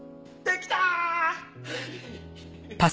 できたー！